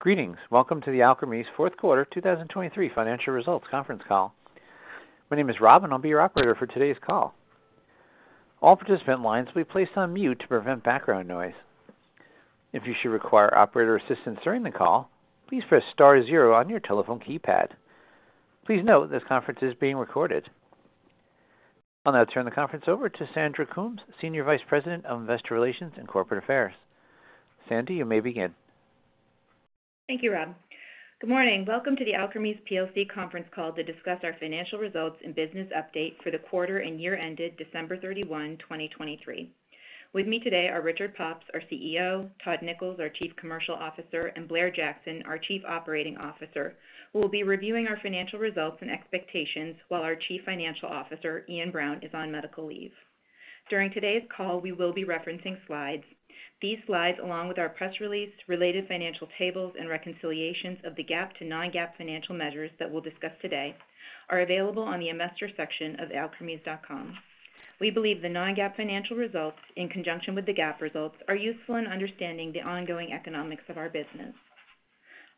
Greetings. Welcome to the Alkermes fourth quarter 2023 financial results conference call. My name is Robin, and I'll be your operator for today's call. All participant lines will be placed on mute to prevent background noise. If you should require operator assistance during the call, please press star zero on your telephone keypad. Please note this conference is being recorded. I'll now turn the conference over to Sandra Coombs, Senior Vice President of Investor Relations and Corporate Affairs. Sandy, you may begin. Thank you, Rob. Good morning. Welcome to the Alkermes plc conference call to discuss our financial results and business update for the quarter and year-ended December 31, 2023. With me today are Richard Pops, our CEO; Todd Nichols, our Chief Commercial Officer; and Blair Jackson, our Chief Operating Officer, who will be reviewing our financial results and expectations while our Chief Financial Officer, Iain Brown, is on medical leave. During today's call, we will be referencing slides. These slides, along with our press release, related financial tables, and reconciliations of the GAAP to non-GAAP financial measures that we'll discuss today, are available on the investor section of alkermes.com. We believe the non-GAAP financial results, in conjunction with the GAAP results, are useful in understanding the ongoing economics of our business.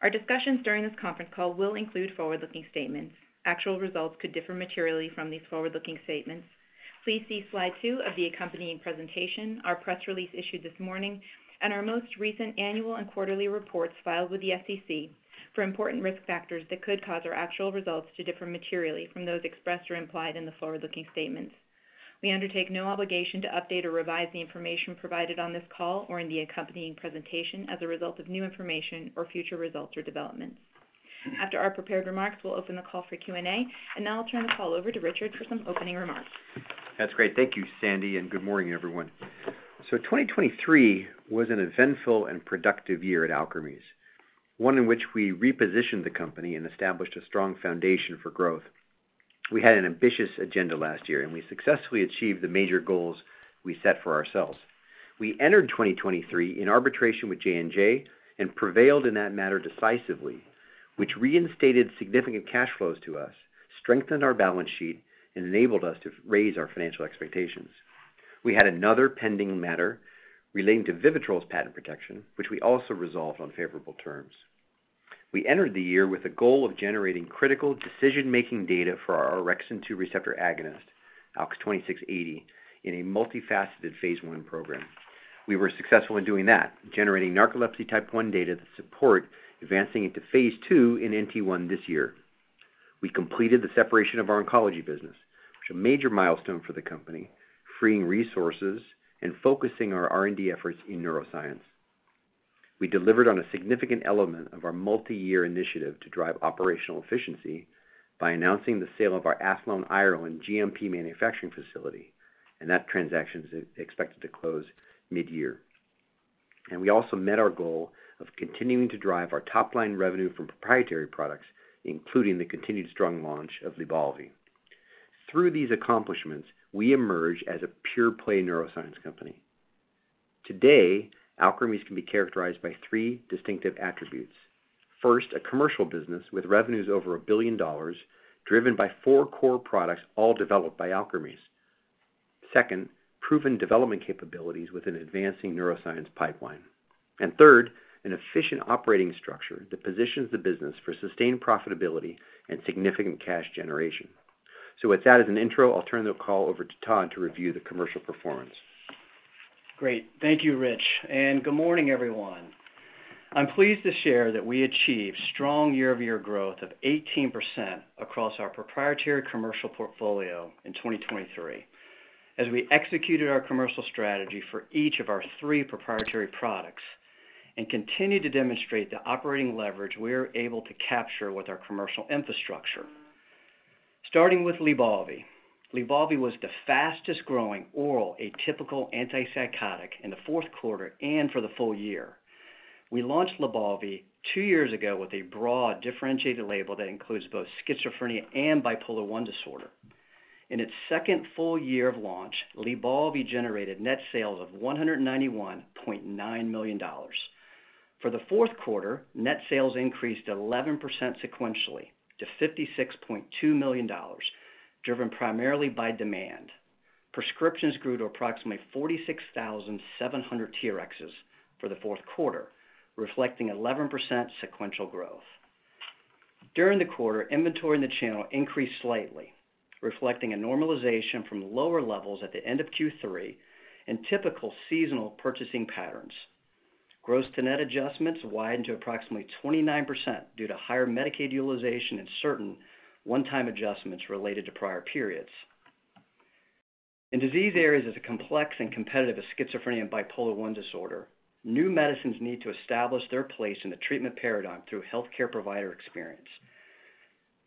Our discussions during this conference call will include forward-looking statements. Actual results could differ materially from these forward-looking statements. Please see slide two of the accompanying presentation, our press release issued this morning, and our most recent annual and quarterly reports filed with the SEC for important risk factors that could cause our actual results to differ materially from those expressed or implied in the forward-looking statements. We undertake no obligation to update or revise the information provided on this call or in the accompanying presentation as a result of new information or future results or developments. After our prepared remarks, we'll open the call for Q&A, and now I'll turn the call over to Richard for some opening remarks. That's great. Thank you, Sandy, and good morning, everyone. 2023 was an eventful and productive year at Alkermes, one in which we repositioned the company and established a strong foundation for growth. We had an ambitious agenda last year, and we successfully achieved the major goals we set for ourselves. We entered 2023 in arbitration with J&J and prevailed in that matter decisively, which reinstated significant cash flows to us, strengthened our balance sheet, and enabled us to raise our financial expectations. We had another pending matter relating to VIVITROL's patent protection, which we also resolved on favorable terms. We entered the year with a goal of generating critical decision-making data for our orexin 2 receptor agonist, ALKS 2680, in a multifaceted phase I program. We were successful in doing that, generating narcolepsy type 1 data that support advancing into phase II in NT1 this year. We completed the separation of our oncology business, which is a major milestone for the company, freeing resources and focusing our R&D efforts in neuroscience. We delivered on a significant element of our multi-year initiative to drive operational efficiency by announcing the sale of our Athlone, Ireland GMP manufacturing facility, and that transaction is expected to close mid-year. We also met our goal of continuing to drive our top-line revenue from proprietary products, including the continued strong launch of LYBALVI. Through these accomplishments, we emerge as a pure-play neuroscience company. Today, Alkermes can be characterized by three distinctive attributes. First, a commercial business with revenues over $1 billion driven by four core products all developed by Alkermes. Second, proven development capabilities with an advancing neuroscience pipeline. And third, an efficient operating structure that positions the business for sustained profitability and significant cash generation. With that as an intro, I'll turn the call over to Todd to review the commercial performance. Great. Thank you, Rich. Good morning, everyone. I'm pleased to share that we achieved strong year-over-year growth of 18% across our proprietary commercial portfolio in 2023 as we executed our commercial strategy for each of our three proprietary products and continue to demonstrate the operating leverage we are able to capture with our commercial infrastructure. Starting with LYBALVI, LYBALVI was the fastest-growing oral atypical antipsychotic in the fourth quarter and for the full year. We launched LYBALVI two years ago with a broad differentiated label that includes both schizophrenia and bipolar I disorder. In its second full year of launch, LYBALVI generated net sales of $191.9 million. For the fourth quarter, net sales increased 11% sequentially to $56.2 million, driven primarily by demand. Prescriptions grew to approximately 46,700 TRXs for the fourth quarter, reflecting 11% sequential growth. During the quarter, inventory in the channel increased slightly, reflecting a normalization from lower levels at the end of Q3 and typical seasonal purchasing patterns. Gross to net adjustments widened to approximately 29% due to higher Medicaid utilization and certain one-time adjustments related to prior periods. In disease areas as complex and competitive as schizophrenia and bipolar I disorder, new medicines need to establish their place in the treatment paradigm through healthcare provider experience.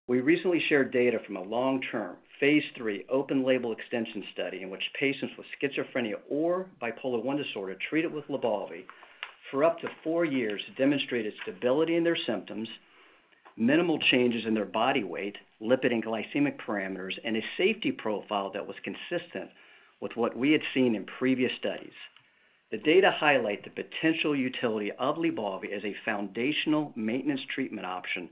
We recently shared data from a long-term phase III open-label extension study in which patients with schizophrenia or bipolar I disorder treated with LYBALVI for up to four years demonstrated stability in their symptoms, minimal changes in their body weight, lipid and glycemic parameters, and a safety profile that was consistent with what we had seen in previous studies. The data highlight the potential utility of LYBALVI as a foundational maintenance treatment option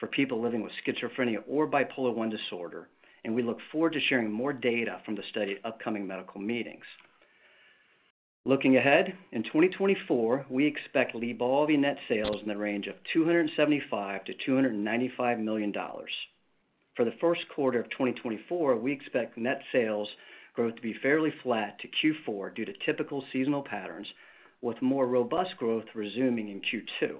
for people living with schizophrenia or bipolar I disorder, and we look forward to sharing more data from the study at upcoming medical meetings. Looking ahead, in 2024, we expect LYBALVI net sales in the range of $275-$295 million. For the first quarter of 2024, we expect net sales growth to be fairly flat to Q4 due to typical seasonal patterns, with more robust growth resuming in Q2.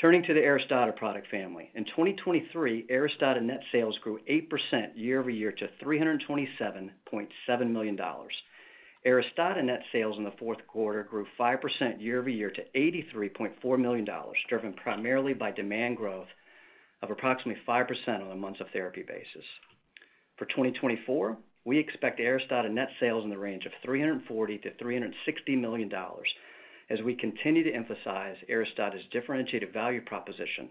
Turning to the ARISTADA product family, in 2023, ARISTADA net sales grew 8% year-over-year to $327.7 million. ARISTADA net sales in the fourth quarter grew 5% year-over-year to $83.4 million, driven primarily by demand growth of approximately 5% on a month-of-therapy basis. For 2024, we expect ARISTADA net sales in the range of $340-$360 million as we continue to emphasize ARISTADA's differentiated value proposition,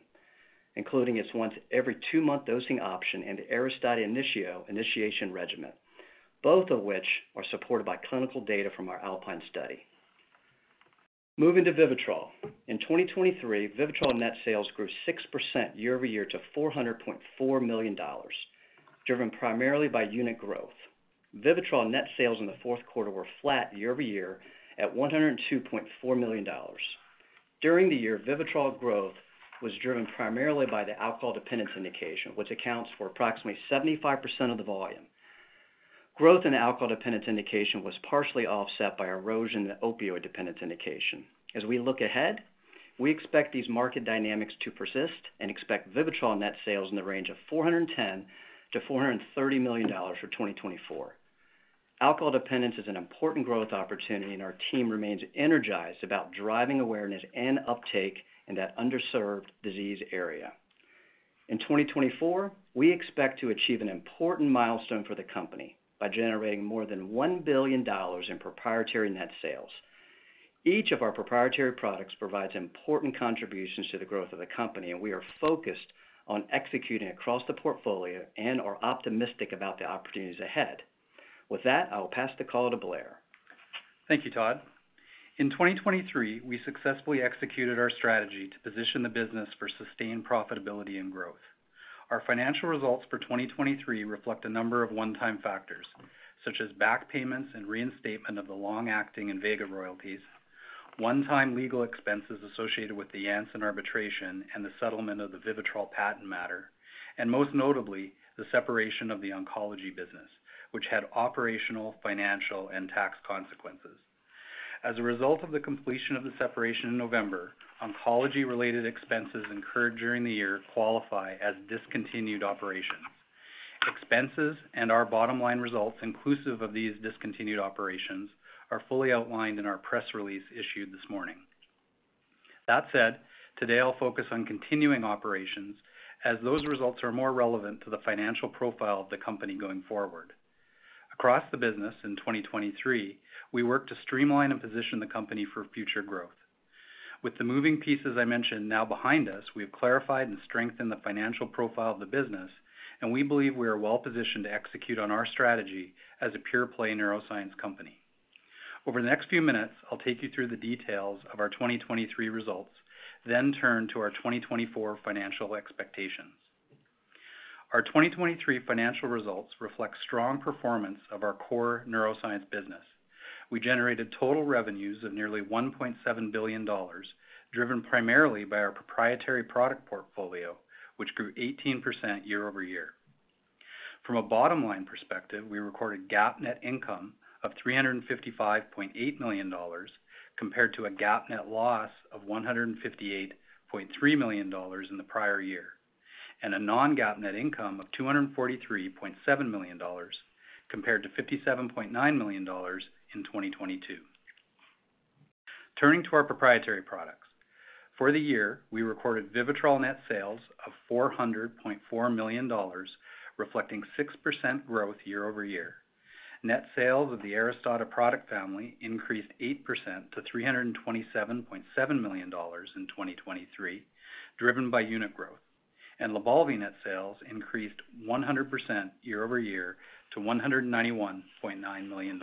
including its once-every-two-month dosing option and the ARISTADA Initio initiation regimen, both of which are supported by clinical data from our Alpine study. Moving to VIVITROL. In 2023, ViVITROL net sales grew 6% year-over-year to $400.4 million, driven primarily by unit growth. ViVITROL net sales in the fourth quarter were flat year-over-year at $102.4 million. During the year, VIVITROL growth was driven primarily by the alcohol dependence indication, which accounts for approximately 75% of the volume. Growth in the alcohol dependence indication was partially offset by erosion in the opioid dependence indication. As we look ahead, we expect these market dynamics to persist and expect ViVITROL net sales in the range of $410-$430 million for 2024. Alcohol dependence is an important growth opportunity, and our team remains energized about driving awareness and uptake in that underserved disease area. In 2024, we expect to achieve an important milestone for the company by generating more than $1 billion in proprietary net sales. Each of our proprietary products provides important contributions to the growth of the company, and we are focused on executing across the portfolio and are optimistic about the opportunities ahead. With that, I will pass the call to Blair. Thank you, Todd. In 2023, we successfully executed our strategy to position the business for sustained profitability and growth. Our financial results for 2023 reflect a number of one-time factors such as back payments and reinstatement of the long-acting Invega royalties, one-time legal expenses associated with the Janssen arbitration and the settlement of the VIVITROL patent matter, and most notably, the separation of the oncology business, which had operational, financial, and tax consequences. As a result of the completion of the separation in November, oncology-related expenses incurred during the year qualify as discontinued operations. Expenses and our bottom-line results inclusive of these discontinued operations are fully outlined in our press release issued this morning. That said, today I'll focus on continuing operations as those results are more relevant to the financial profile of the company going forward. Across the business in 2023, we work to streamline and position the company for future growth. With the moving pieces I mentioned now behind us, we have clarified and strengthened the financial profile of the business, and we believe we are well-positioned to execute on our strategy as a pure-play neuroscience company. Over the next few minutes, I'll take you through the details of our 2023 results, then turn to our 2024 financial expectations. Our 2023 financial results reflect strong performance of our core neuroscience business. We generated total revenues of nearly $1.7 billion, driven primarily by our proprietary product portfolio, which grew 18% year-over-year. From a bottom-line perspective, we recorded GAAP net income of $355.8 million compared to a GAAP net loss of $158.3 million in the prior year, and a non-GAAP net income of $243.7 million compared to $57.9 million in 2022. Turning to our proprietary products. For the year, we recorded VIVITROL net sales of $400.4 million, reflecting 6% growth year-over-year. Net sales of the ARISTADA product family increased 8% to $327.7 million in 2023, driven by unit growth, and LYBALVI net sales increased 100% year-over-year to $191.9 million.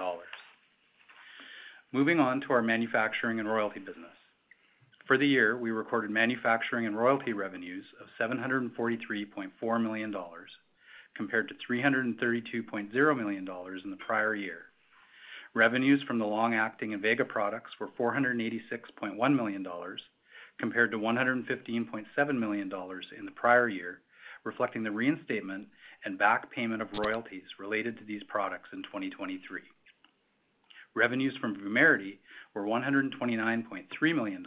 Moving on to our manufacturing and royalty business. For the year, we recorded manufacturing and royalty revenues of $743.4 million compared to $332.0 million in the prior year. Revenues from the long-acting Invega products were $486.1 million compared to $115.7 million in the prior year, reflecting the reinstatement and back payment of royalties related to these products in 2023. Revenues from Vumerity were $129.3 million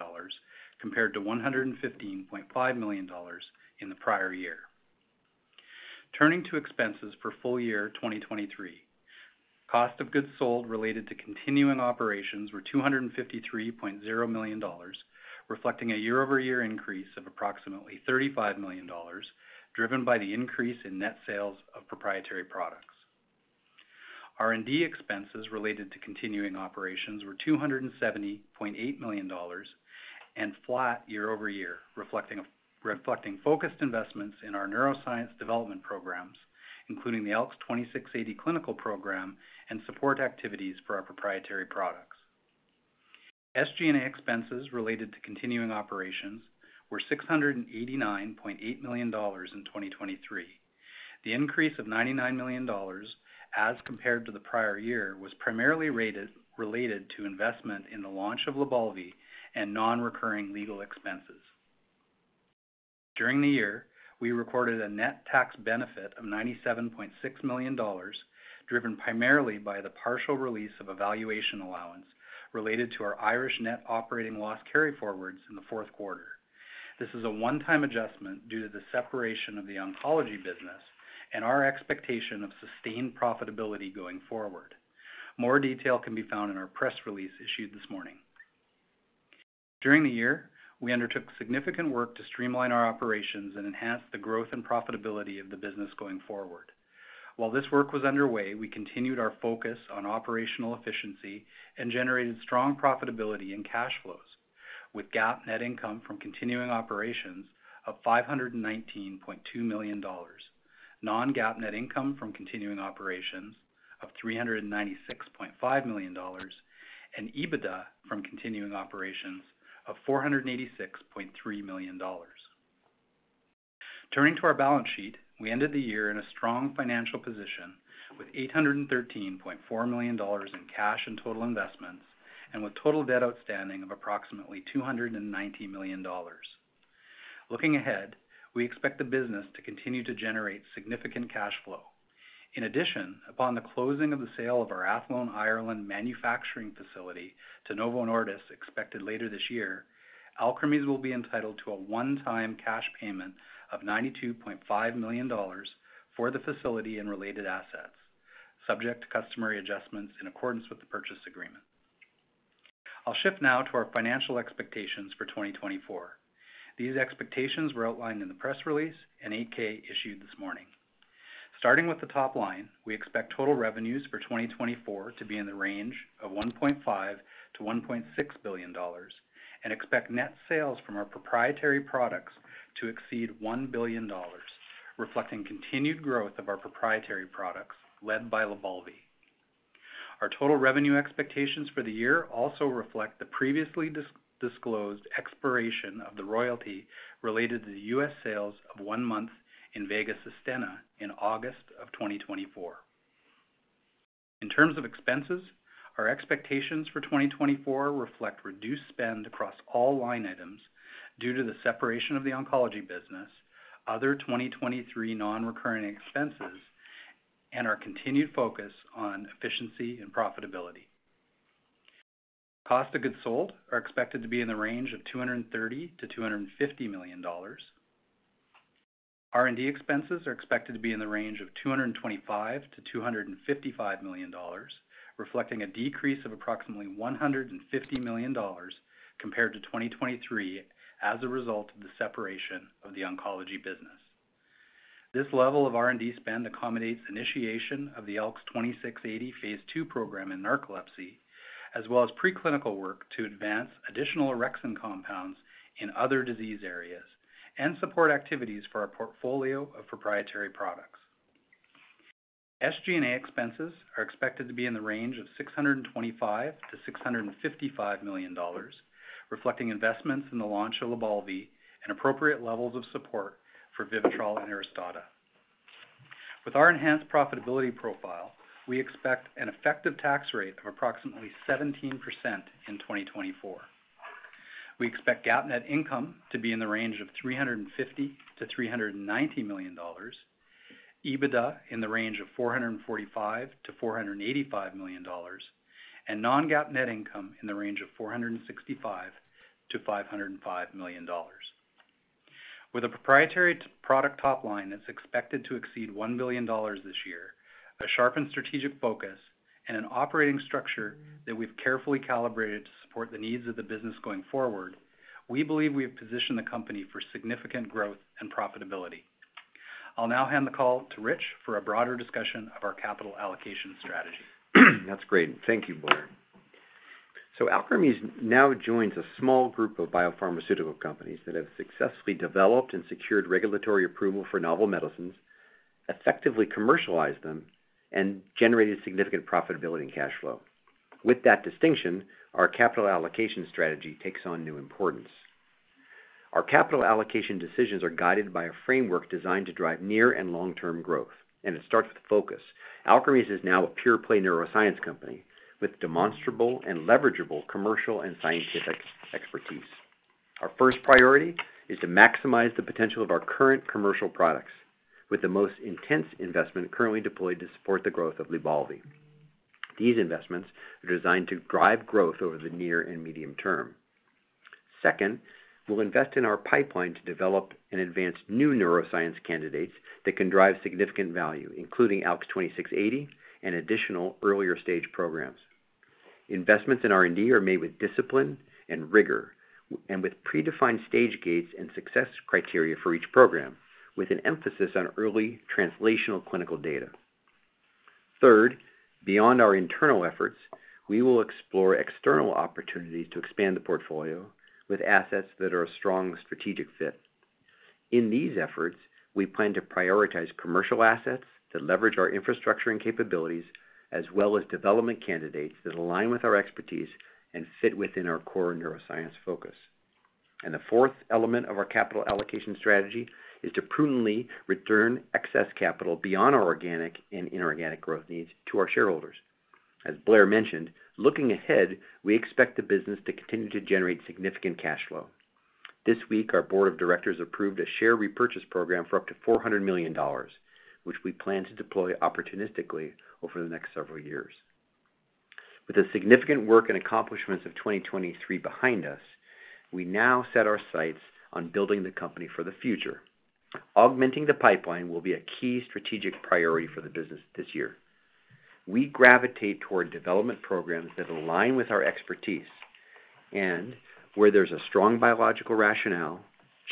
compared to $115.5 million in the prior year. Turning to expenses for full year 2023. Cost of goods sold related to continuing operations were $253.0 million, reflecting a year-over-year increase of approximately $35 million, driven by the increase in net sales of proprietary products. R&D expenses related to continuing operations were $270.8 million and flat year-over-year, reflecting focused investments in our neuroscience development programs, including the ALKS 2680 clinical program and support activities for our proprietary products. SG&A expenses related to continuing operations were $689.8 million in 2023. The increase of $99 million as compared to the prior year was primarily related to investment in the launch of LYBALVI and non-recurring legal expenses. During the year, we recorded a net tax benefit of $97.6 million, driven primarily by the partial release of evaluation allowance related to our Irish net operating loss carryforwards in the fourth quarter. This is a one-time adjustment due to the separation of the oncology business and our expectation of sustained profitability going forward. More detail can be found in our press release issued this morning. During the year, we undertook significant work to streamline our operations and enhance the growth and profitability of the business going forward. While this work was underway, we continued our focus on operational efficiency and generated strong profitability and cash flows, with GAAP net income from continuing operations of $519.2 million, non-GAAP net income from continuing operations of $396.5 million, and EBITDA from continuing operations of $486.3 million. Turning to our balance sheet, we ended the year in a strong financial position with $813.4 million in cash and total investments, and with total debt outstanding of approximately $290 million. Looking ahead, we expect the business to continue to generate significant cash flow. In addition, upon the closing of the sale of our Athlone, Ireland manufacturing facility to Novo Nordisk expected later this year, Alkermes will be entitled to a one-time cash payment of $92.5 million for the facility and related assets, subject to customary adjustments in accordance with the purchase agreement. I'll shift now to our financial expectations for 2024. These expectations were outlined in the press release and 8-K issued this morning. Starting with the top line, we expect total revenues for 2024 to be in the range of $1.5billion-$1.6 billion and expect net sales from our proprietary products to exceed $1 billion, reflecting continued growth of our proprietary products led by LYBALVI. Our total revenue expectations for the year also reflect the previously disclosed expiration of the royalty related to the U.S. sales of one-month Invega Sustenna in August of 2024. In terms of expenses, our expectations for 2024 reflect reduced spend across all line items due to the separation of the oncology business, other 2023 non-recurring expenses, and our continued focus on efficiency and profitability. Cost of goods sold are expected to be in the range of $230 million-$250 million. R&D expenses are expected to be in the range of $225 million-$255 million, reflecting a decrease of approximately $150 million compared to 2023 as a result of the separation of the oncology business. This level of R&D spend accommodates initiation of the ALKS 2680 phase II program in narcolepsy, as well as preclinical work to advance additional orexin compounds in other disease areas and support activities for our portfolio of proprietary products. SG&A expenses are expected to be in the range of $625million-$655 million, reflecting investments in the launch of LYBALVI and appropriate levels of support for VIVITROL and ARISTADA. With our enhanced profitability profile, we expect an effective tax rate of approximately 17% in 2024. We expect GAAP net income to be in the range of $350-$390 million, EBITDA in the range of $445 million-$485 million, and non-GAAP net income in the range of $465 million-$505 million. With a proprietary product top line that's expected to exceed $1 billion this year, a sharpened strategic focus, and an operating structure that we've carefully calibrated to support the needs of the business going forward, we believe we have positioned the company for significant growth and profitability. I'll now hand the call to Rich for a broader discussion of our capital allocation strategy. That's great. Thank you, Blair. So Alkermes now joins a small group of biopharmaceutical companies that have successfully developed and secured regulatory approval for novel medicines, effectively commercialized them, and generated significant profitability and cash flow. With that distinction, our capital allocation strategy takes on new importance. Our capital allocation decisions are guided by a framework designed to drive near and long-term growth, and it starts with focus. Alkermes is now a pure-play neuroscience company with demonstrable and leverageable commercial and scientific expertise. Our first priority is to maximize the potential of our current commercial products with the most intense investment currently deployed to support the growth of LYBALVI. These investments are designed to drive growth over the near and medium term. Second, we'll invest in our pipeline to develop and advance new neuroscience candidates that can drive significant value, including ALKS 2680 and additional earlier stage programs. Investments in R&D are made with discipline and rigor and with predefined stage gates and success criteria for each program, with an emphasis on early translational clinical data. Third, beyond our internal efforts, we will explore external opportunities to expand the portfolio with assets that are a strong strategic fit. In these efforts, we plan to prioritize commercial assets that leverage our infrastructure and capabilities, as well as development candidates that align with our expertise and fit within our core neuroscience focus. The fourth element of our capital allocation strategy is to prudently return excess capital beyond our organic and inorganic growth needs to our shareholders. As Blair mentioned, looking ahead, we expect the business to continue to generate significant cash flow. This week, our board of directors approved a share repurchase program for up to $400 million, which we plan to deploy opportunistically over the next several years. With the significant work and accomplishments of 2023 behind us, we now set our sights on building the company for the future. Augmenting the pipeline will be a key strategic priority for the business this year. We gravitate toward development programs that align with our expertise and where there's a strong biological rationale,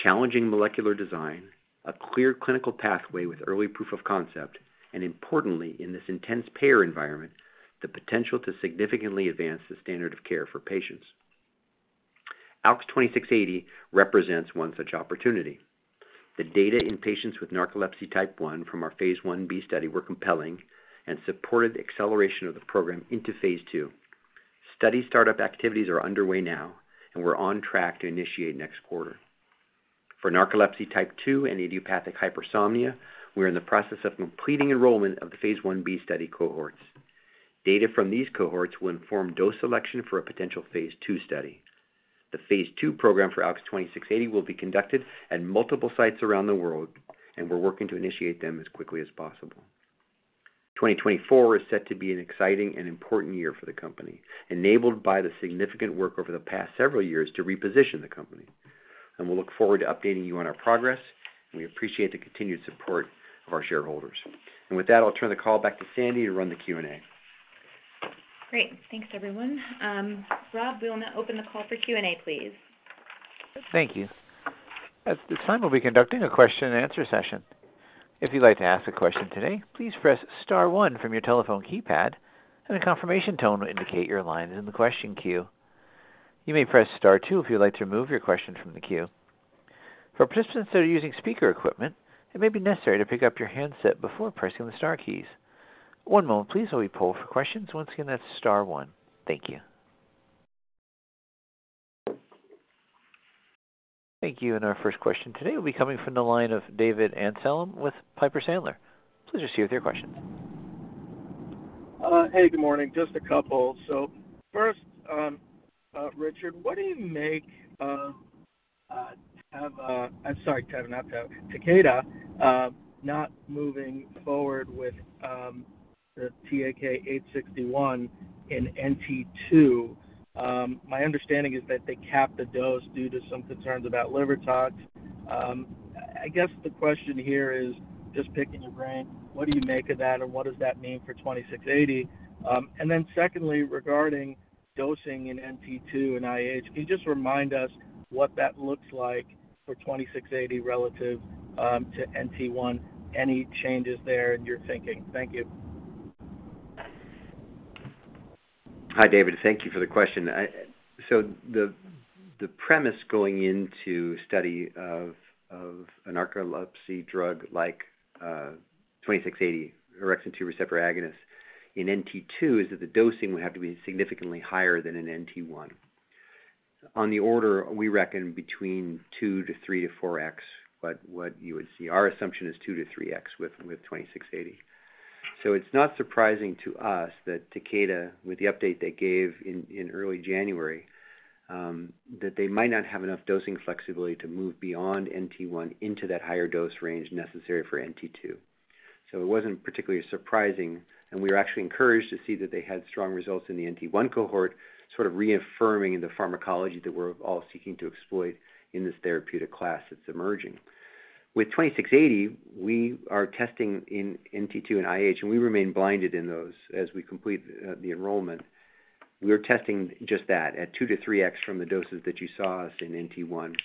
challenging molecular design, a clear clinical pathway with early proof of concept, and importantly, in this intense payer environment, the potential to significantly advance the standard of care for patients. ALKS 2680 represents one such opportunity. The data in patients with narcolepsy type 1 from our phase I-B study were compelling and supported the acceleration of the program into phase II. Study startup activities are underway now, and we're on track to initiate next quarter. For narcolepsy type 2 and idiopathic hypersomnia, we're in the process of completing enrollment of the phase I-B study cohorts. Data from these cohorts will inform dose selection for a potential phase II study. The phase II program for ALKS 2680 will be conducted at multiple sites around the world, and we're working to initiate them as quickly as possible. 2024 is set to be an exciting and important year for the company, enabled by the significant work over the past several years to reposition the company. We'll look forward to updating you on our progress, and we appreciate the continued support of our shareholders. With that, I'll turn the call back to Sandy to run the Q&A. Great. Thanks, everyone. Rob, we'll now open the call for Q&A, please. Thank you. At this time, we'll be conducting a question and answer session. If you'd like to ask a question today, please press star one from your telephone keypad, and a confirmation tone will indicate your line is in the question queue. You may press star two if you'd like to remove your question from the queue. For participants that are using speaker equipment, it may be necessary to pick up your handset before pressing the star keys. One moment, please, while we poll for questions. Once again, that's star one. Thank you. Thank you. Our first question today will be coming from the line of David Amsellem with Piper Sandler. Please go ahead with your question. Hey, good morning. Just a couple. So first, Richard, what do you make of Teva? I'm sorry, Teva, not Teva. Takeda not moving forward with the TAK-861 in NT2? My understanding is that they capped the dose due to some concerns about liver tox. I guess the question here is, just picking your brain, what do you make of that, and what does that mean for 2680? And then secondly, regarding dosing in NT2 and IH, can you just remind us what that looks like for 2680 relative to NT1? Any changes there in your thinking? Thank you. Hi, David. Thank you for the question. So the premise going into study of a narcolepsy drug like 2680, orexin 2 receptor agonist, in NT2 is that the dosing would have to be significantly higher than in NT1. On the order, we reckon between 2x to 3x to 4x what you would see. Our assumption is 2x to 3x with 2680. So it's not surprising to us that Takeda, with the update they gave in early January, that they might not have enough dosing flexibility to move beyond NT1 into that higher dose range necessary for NT2. So it wasn't particularly surprising, and we were actually encouraged to see that they had strong results in the NT1 cohort, sort of reaffirming the pharmacology that we're all seeking to exploit in this therapeutic class that's emerging. With 2680, we are testing in NT2 and IH, and we remain blinded in those as we complete the enrollment. We're testing just that at 2x-3x from the doses that you saw us in NT1.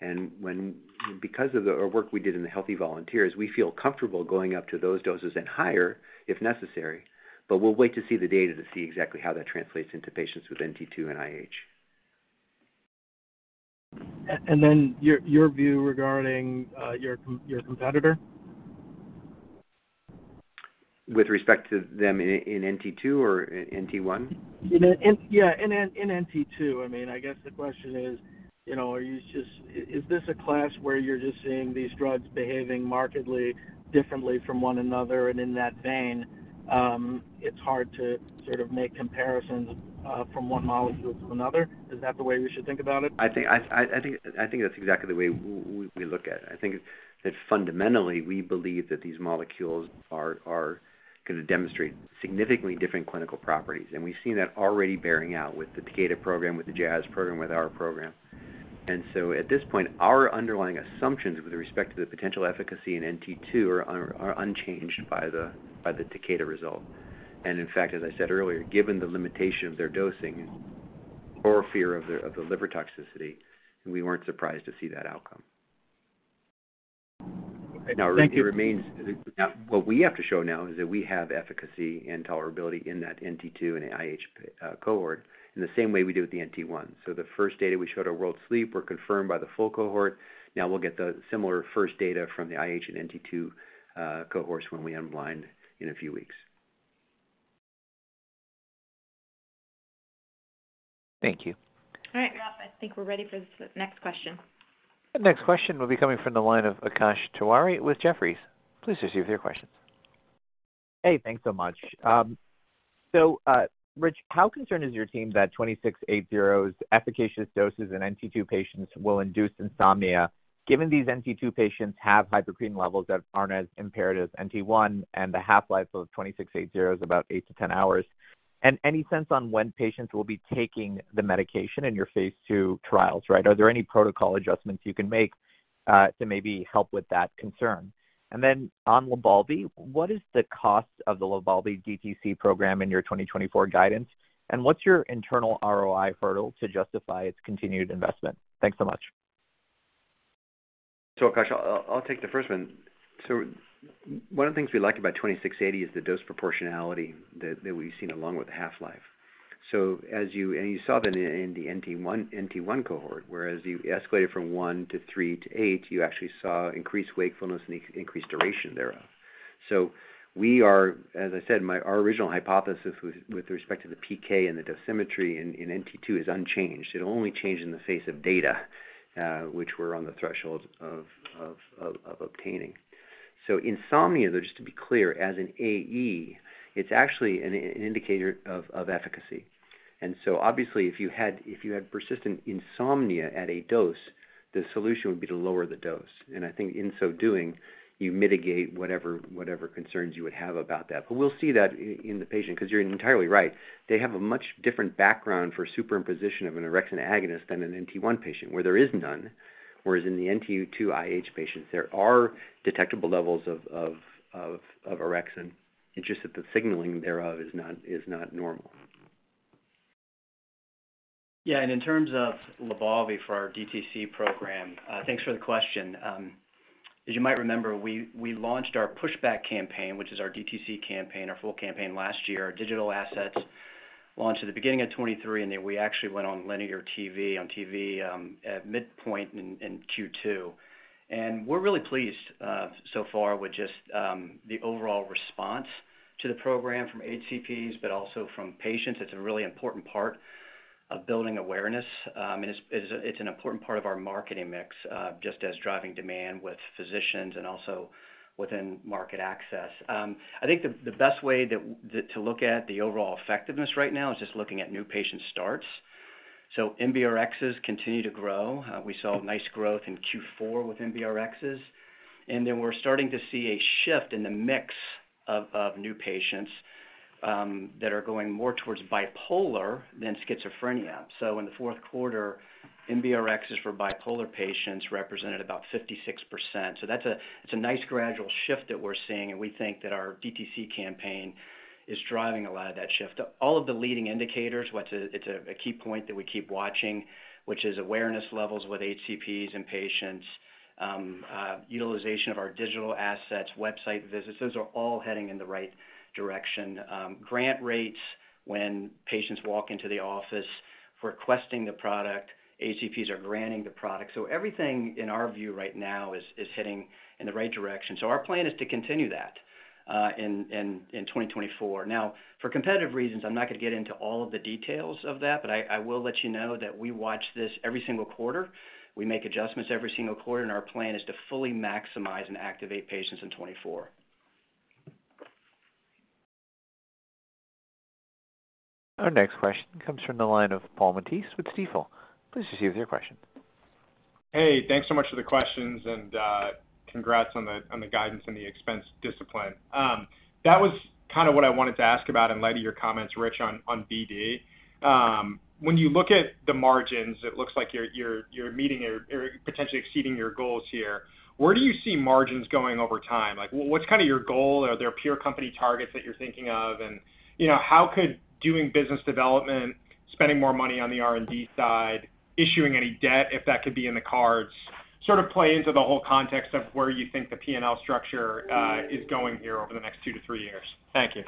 And because of the work we did in the Healthy Volunteers, we feel comfortable going up to those doses and higher if necessary, but we'll wait to see the data to see exactly how that translates into patients with NT2 and IH. And then your view regarding your competitor? With respect to them in NT2 or NT1? Yeah, in NT2. I mean, I guess the question is, is this a class where you're just seeing these drugs behaving markedly differently from one another? And in that vein, it's hard to sort of make comparisons from one molecule to another. Is that the way we should think about it? I think that's exactly the way we look at it. I think that fundamentally, we believe that these molecules are going to demonstrate significantly different clinical properties, and we've seen that already bearing out with the Takeda program, with the Janssen program, with our program. So at this point, our underlying assumptions with respect to the potential efficacy in NT2 are unchanged by the Takeda result. In fact, as I said earlier, given the limitation of their dosing or fear of the liver toxicity, we weren't surprised to see that outcome. Now, what we have to show now is that we have efficacy and tolerability in that NT2 and IH cohort in the same way we do with the NT1. The first data we showed at World Sleep were confirmed by the full cohort. Now, we'll get the similar first data from the IH and NT2 cohorts when we unblind in a few weeks. Thank you. All right, Rob. I think we're ready for the next question. Next question will be coming from the line of Akash Tewari with Jefferies. Please go ahead with your questions. Hey, thanks so much. So Rich, how concerned is your team that 2680's efficacious doses in NT2 patients will induce insomnia given these NT2 patients have hypocretin levels that aren't as impaired as NT1 and the half-life of 2680 is about eight to 10 hours? And any sense on when patients will be taking the medication in your phase II trials, right? Are there any protocol adjustments you can make to maybe help with that concern? And then on LYBALVI, what is the cost of the LYBALVI DTC program in your 2024 guidance, and what's your internal ROI hurdle to justify its continued investment? Thanks so much. So Akash, I'll take the first one. So one of the things we like about 2680 is the dose proportionality that we've seen along with the half-life. And you saw that in the NT1 cohort, whereas you escalated from one to three to eight, you actually saw increased wakefulness and increased duration thereof. So as I said, our original hypothesis with respect to the PK and the dosimetry in NT2 is unchanged. It only changed in the face of data, which were on the threshold of obtaining. So insomnia, though, just to be clear, as an AE, it's actually an indicator of efficacy. And so obviously, if you had persistent insomnia at a dose, the solution would be to lower the dose. And I think in so doing, you mitigate whatever concerns you would have about that. But we'll see that in the patient because you're entirely right. They have a much different background for superimposition of an orexin agonist than an NT1 patient, where there is none. Whereas in the NT2 IH patients, there are detectable levels of orexin. It's just that the signaling thereof is not normal. Yeah. In terms of LYBALVI for our DTC program, thanks for the question. As you might remember, we launched our pushback campaign, which is our DTC campaign, our full campaign last year. Our digital assets launched at the beginning of 2023, and we actually went on linear TV at midpoint in Q2. We're really pleased so far with just the overall response to the program from HCPs, but also from patients. It's a really important part of building awareness, and it's an important part of our marketing mix, just as driving demand with physicians and also within market access. I think the best way to look at the overall effectiveness right now is just looking at new patient starts. MBRXs continue to grow. We saw nice growth in Q4 with MBRXs. And then we're starting to see a shift in the mix of new patients that are going more towards bipolar than schizophrenia. So in the fourth quarter, MBRXs for bipolar patients represented about 56%. So that's a nice gradual shift that we're seeing, and we think that our DTC campaign is driving a lot of that shift. All of the leading indicators—it's a key point that we keep watching—which is awareness levels with HCPs and patients, utilization of our digital assets, website visits. Those are all heading in the right direction. Grant rates, when patients walk into the office requesting the product, HCPs are granting the product. So everything, in our view right now, is hitting in the right direction. So our plan is to continue that in 2024. Now, for competitive reasons, I'm not going to get into all of the details of that, but I will let you know that we watch this every single quarter. We make adjustments every single quarter, and our plan is to fully maximize and activate patients in 2024. Our next question comes from the line of Paul Matteis with Stifel. Please go ahead with your question. Hey, thanks so much for the questions, and congrats on the guidance and the expense discipline. That was kind of what I wanted to ask about in light of your comments, Rich, on BD. When you look at the margins, it looks like you're potentially exceeding your goals here. Where do you see margins going over time? What's kind of your goal? Are there peer company targets that you're thinking of? And how could doing business development, spending more money on the R&D side, issuing any debt, if that could be in the cards, sort of play into the whole context of where you think the P&L structure is going here over the next two to three years? Thank you.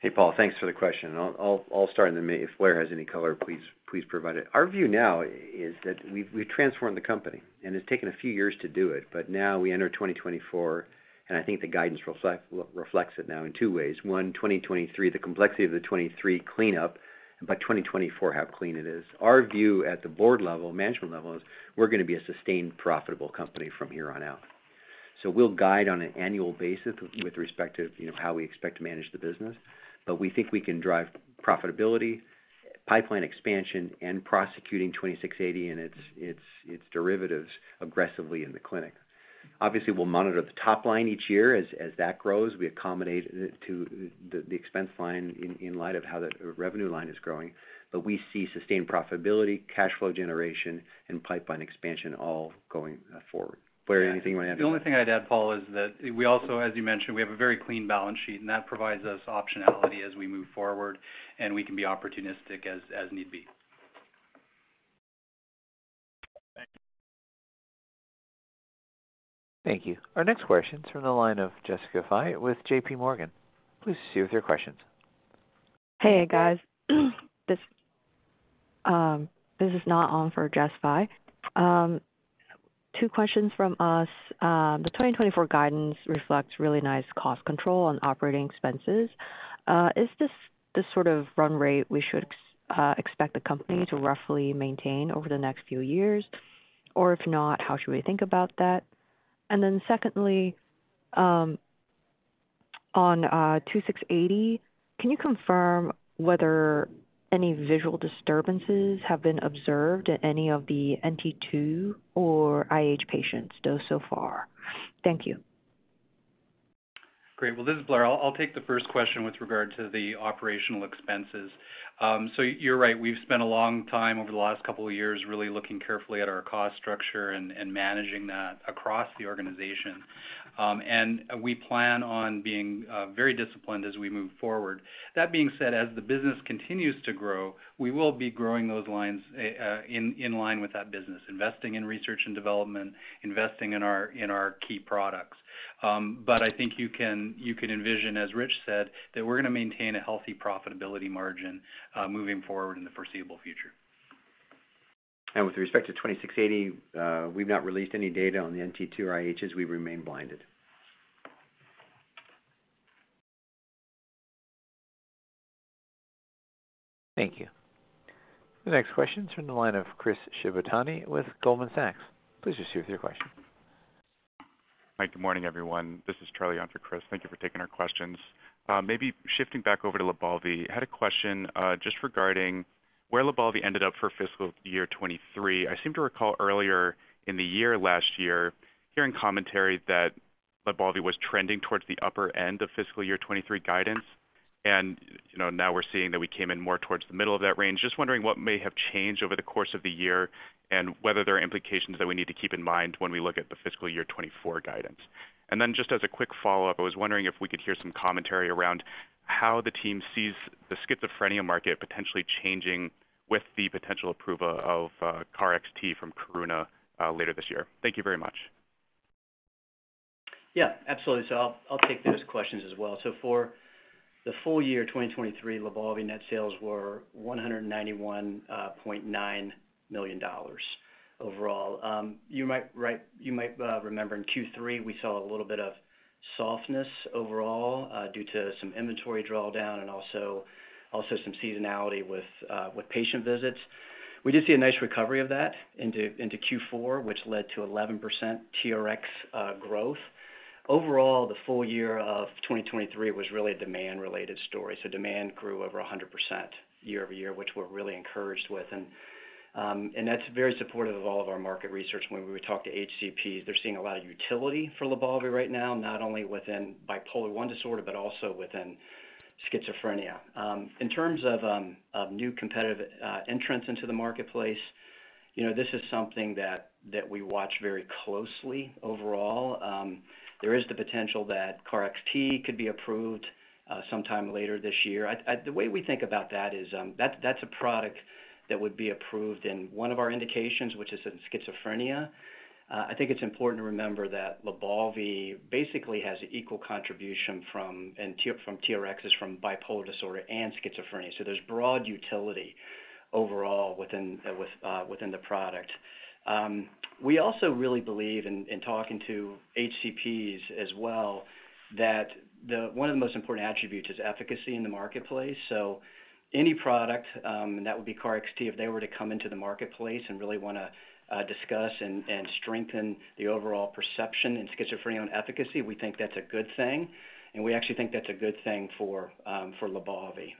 Hey, Paul. Thanks for the question. I'll start in the meantime. If Blair has any color, please provide it. Our view now is that we've transformed the company, and it's taken a few years to do it. But now we enter 2024, and I think the guidance reflects it now in two ways. One, 2023, the complexity of the 2023 cleanup, and by 2024, how clean it is. Our view at the board level, management level, is we're going to be a sustained, profitable company from here on out. So we'll guide on an annual basis with respect to how we expect to manage the business, but we think we can drive profitability, pipeline expansion, and pursuing 2680 and its derivatives aggressively in the clinic. Obviously, we'll monitor the top line each year as that grows. We accommodate it to the expense line in light of how the revenue line is growing. But we see sustained profitability, cash flow generation, and pipeline expansion all going forward. Blair, anything you want to add to that? The only thing I'd add, Paul, is that we also, as you mentioned, we have a very clean balance sheet, and that provides us optionality as we move forward, and we can be opportunistic as need be. Thank you. Thank you. Our next question's from the line of Jessica Fye with JPMorgan. Please just hear with your questions. Hey, guys. This is not on for Jessica Fye. Two questions from us. The 2024 guidance reflects really nice cost control on operating expenses. Is this the sort of run rate we should expect the company to roughly maintain over the next few years? Or if not, how should we think about that? And then secondly, on 2680, can you confirm whether any visual disturbances have been observed in any of the NT2 or IH patients dosed so far? Thank you. Great. Well, this is Blair. I'll take the first question with regard to the operational expenses. So you're right. We've spent a long time over the last couple of years really looking carefully at our cost structure and managing that across the organization, and we plan on being very disciplined as we move forward. That being said, as the business continues to grow, we will be growing those lines in line with that business, investing in research and development, investing in our key products. But I think you can envision, as Rich said, that we're going to maintain a healthy profitability margin moving forward in the foreseeable future. With respect to 2680, we've not released any data on the NT2 or IHs. We remain blinded. Thank you. The next question's from the line of Chris Shibutani with Goldman Sachs. Please go ahead with your question. Hi. Good morning, everyone. This is Charlie on for Chris. Thank you for taking our questions. Maybe shifting back over to LYBALVI, I had a question just regarding where LYBALVI ended up for fiscal year 2023. I seem to recall earlier in the year last year, hearing commentary that LYBALVI was trending towards the upper end of fiscal year 2023 guidance, and now we're seeing that we came in more towards the middle of that range. Just wondering what may have changed over the course of the year and whether there are implications that we need to keep in mind when we look at the fiscal year 2024 guidance. And then just as a quick follow-up, I was wondering if we could hear some commentary around how the team sees the schizophrenia market potentially changing with the potential approval of KarXT from Karuna later this year. Thank you very much. Yeah, absolutely. So I'll take those questions as well. So for the full year 2023, LYBALVI net sales were $191.9 million overall. You might remember in Q3, we saw a little bit of softness overall due to some inventory drawdown and also some seasonality with patient visits. We did see a nice recovery of that into Q4, which led to 11% TRX growth. Overall, the full year of 2023 was really a demand-related story. So demand grew over 100% year-over-year, which we're really encouraged with. And that's very supportive of all of our market research. When we talk to HCPs, they're seeing a lot of utility for LYBALVI right now, not only within bipolar I disorder but also within schizophrenia. In terms of new competitive entrants into the marketplace, this is something that we watch very closely overall. There is the potential that KarXT could be approved sometime later this year. The way we think about that is that's a product that would be approved in one of our indications, which is in schizophrenia. I think it's important to remember that LYBALVI basically has an equal contribution from TRXs, from bipolar disorder, and schizophrenia. So there's broad utility overall within the product. We also really believe, in talking to HCPs as well, that one of the most important attributes is efficacy in the marketplace. So any product, and that would be KarXT, if they were to come into the marketplace and really want to discuss and strengthen the overall perception in schizophrenia on efficacy, we think that's a good thing. We actually think that's a good thing for LYBALVI.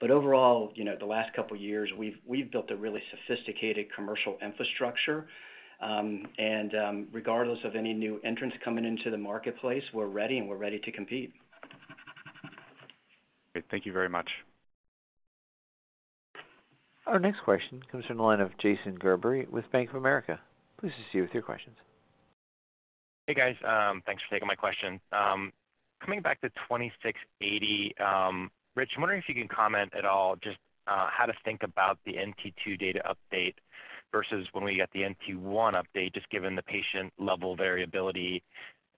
But overall, the last couple of years, we've built a really sophisticated commercial infrastructure. Regardless of any new entrants coming into the marketplace, we're ready, and we're ready to compete. Great. Thank you very much. Our next question comes from the line of Jason Gerberry with Bank of America. Please go ahead with your questions. Hey, guys. Thanks for taking my question. Coming back to 2680, Rich, I'm wondering if you can comment at all just how to think about the NT2 data update versus when we got the NT1 update, just given the patient-level variability.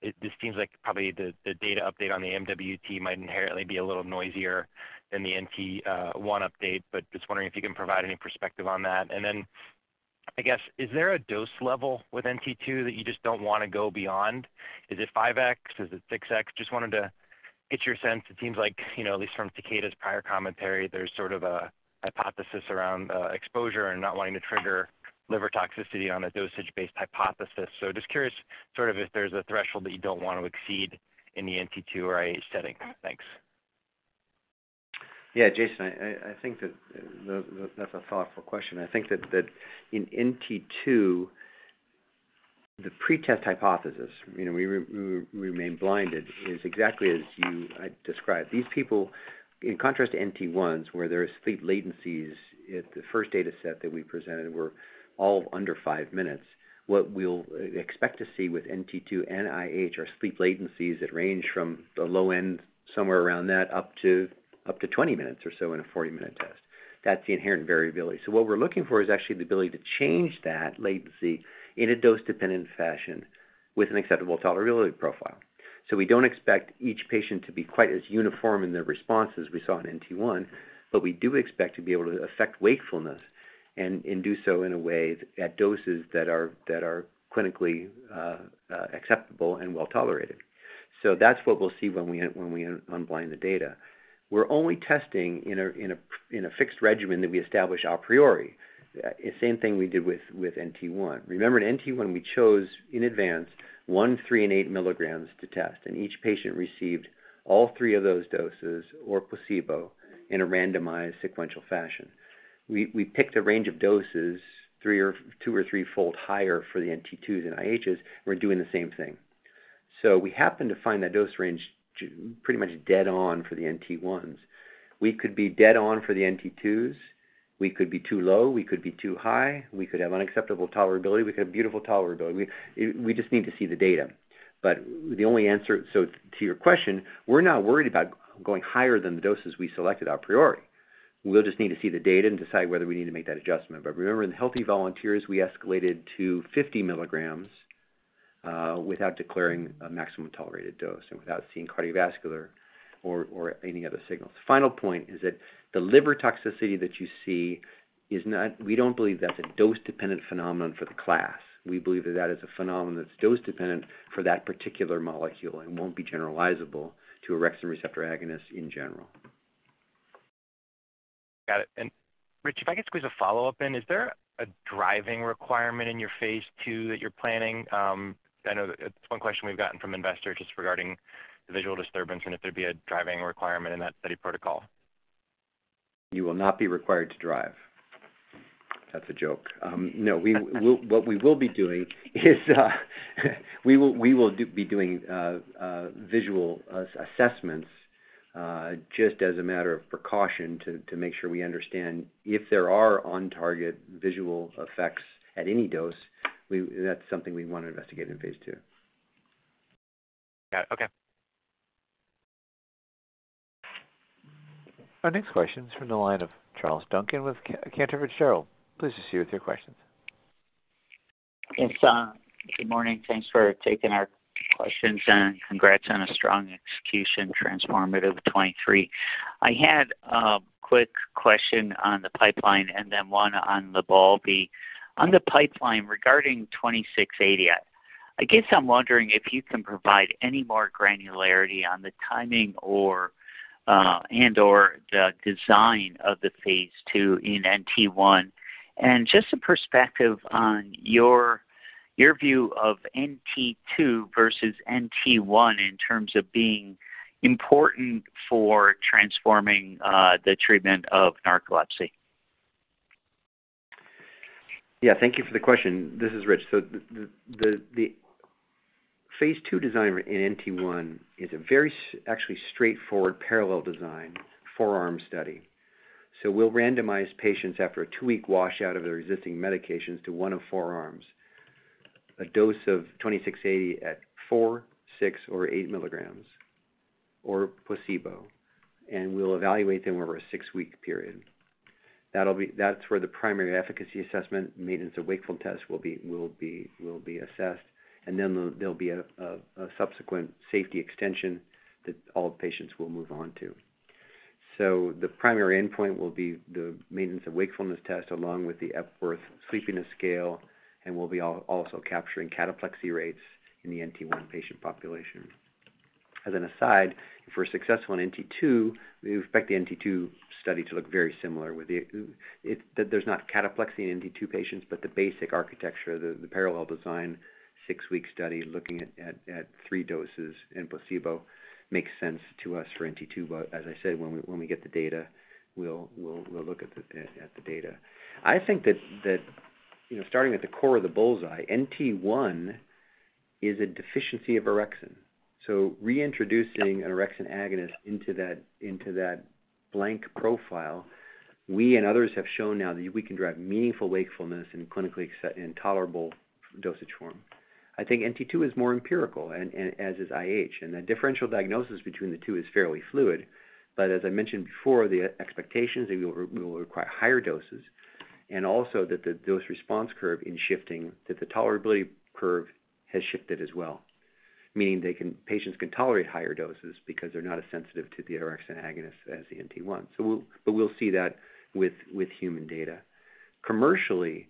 This seems like probably the data update on the MWT might inherently be a little noisier than the NT1 update, but just wondering if you can provide any perspective on that. And then, I guess, is there a dose level with NT2 that you just don't want to go beyond? Is it 5x? Is it 6x? Just wanted to get your sense. It seems like, at least from Takeda's prior commentary, there's sort of a hypothesis around exposure and not wanting to trigger liver toxicity on a dosage-based hypothesis. Just curious sort of if there's a threshold that you don't want to exceed in the NT2 or IH setting? Thanks. Yeah, Jason, I think that that's a thoughtful question. I think that in NT2, the pretest hypothesis, we remain blinded, is exactly as you described. These people, in contrast to NT1s, where their sleep latencies at the first dataset that we presented were all under five minutes, what we'll expect to see with NT2 and IH are sleep latencies that range from the low end, somewhere around that, up to 20 minutes or so in a 40-minute test. That's the inherent variability. So what we're looking for is actually the ability to change that latency in a dose-dependent fashion with an acceptable tolerability profile. So we don't expect each patient to be quite as uniform in their response as we saw in NT1, but we do expect to be able to affect wakefulness and do so in a way at doses that are clinically acceptable and well-tolerated. So that's what we'll see when we unblind the data. We're only testing in a fixed regimen that we establish a priori. Same thing we did with NT1. Remember, in NT1, we chose in advance 1 mg, 3 mg, and 8 mg to test, and each patient received all three of those doses or placebo in a randomized sequential fashion. We picked a range of doses two or three-fold higher for the NT2s and IHs, and we're doing the same thing. So we happen to find that dose range pretty much dead-on for the NT1s. We could be dead-on for the NT2s. We could be too low. We could be too high. We could have unacceptable tolerability. We could have beautiful tolerability. We just need to see the data. But the only answer, so to your question, we're not worried about going higher than the doses we selected a priori. We'll just need to see the data and decide whether we need to make that adjustment. But remember, in the healthy volunteers, we escalated to 50 mg without declaring a maximum tolerated dose and without seeing cardiovascular or any other signals. Final point is that the liver toxicity that you see is not; we don't believe that's a dose-dependent phenomenon for the class. We believe that that is a phenomenon that's dose-dependent for that particular molecule and won't be generalizable to an orexin receptor agonist in general. Got it. And Rich, if I could squeeze a follow-up in, is there a driving requirement in your phase II that you're planning? I know it's one question we've gotten from investors just regarding the visual disturbance and if there'd be a driving requirement in that study protocol. You will not be required to drive. That's a joke. No, what we will be doing is we will be doing visual assessments just as a matter of precaution to make sure we understand if there are on-target visual effects at any dose. That's something we want to investigate in phase II. Got it. Okay. Our next question's from the line of Charles Duncan with Cantor Fitzgerald. Please go ahead with your question. Yes, good morning. Thanks for taking our questions, and congrats on a strong execution, transformative 2023. I had a quick question on the pipeline and then one on LYBALVI. On the pipeline, regarding 2680, I guess I'm wondering if you can provide any more granularity on the timing and/or the design of the phase two in NT1 and just a perspective on your view of NT2 versus NT1 in terms of being important for transforming the treatment of narcolepsy? Yeah, thank you for the question. This is Rich. So the phase II design in NT1 is a very actually straightforward parallel design four-arm study. So we'll randomize patients after a two-week washout of their existing medications to one of four arms, a dose of 2680 at 4 mg, 6 mg, or 8 mg, or placebo, and we'll evaluate them over a six-week period. That's where the primary efficacy assessment, Maintenance of Wakefulness Test will be assessed, and then there'll be a subsequent safety extension that all patients will move on to. So the primary endpoint will be the Maintenance of Wakefulness Test along with the Epworth Sleepiness Scale, and we'll be also capturing cataplexy rates in the NT1 patient population. As an aside, for a successful NT2, we expect the NT2 study to look very similar, with that there's not cataplexy in NT2 patients, but the basic architecture, the parallel design, six-week study looking at three doses and placebo, makes sense to us for NT2. But as I said, when we get the data, we'll look at the data. I think that starting at the core of the bullseye, NT1 is a deficiency of orexin. So reintroducing an orexin agonist into that brain profile, we and others have shown now that we can drive meaningful wakefulness in tolerable dosage form. I think NT2 is more empirical, as is IH, and the differential diagnosis between the two is fairly fluid. But as I mentioned before, the expectations that we will require higher doses and also that the dose response curve is shifting, that the tolerability curve has shifted as well, meaning patients can tolerate higher doses because they're not as sensitive to the orexin agonist as the NT1. But we'll see that with human data. Commercially,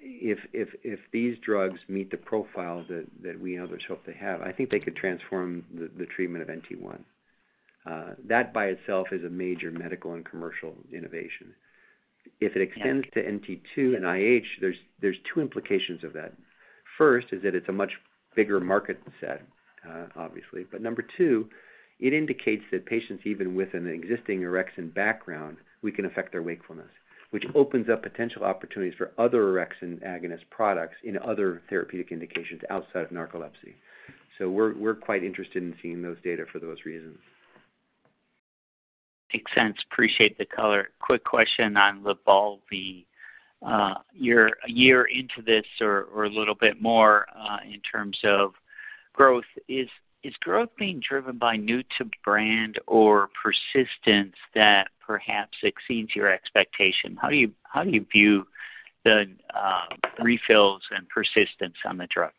if these drugs meet the profile that we and others hope they have, I think they could transform the treatment of NT1. That by itself is a major medical and commercial innovation. If it extends to NT2 and IH, there's two implications of that. First is that it's a much bigger market size, obviously. But number two, it indicates that patients even with an existing orexin background, we can affect their wakefulness, which opens up potential opportunities for other orexin agonist products in other therapeutic indications outside of narcolepsy. We're quite interested in seeing those data for those reasons. Makes sense. Appreciate the color. Quick question on LYBALVI. You're a year into this or a little bit more in terms of growth. Is growth being driven by new-to-brand or persistence that perhaps exceeds your expectation? How do you view the refills and persistence on the drug?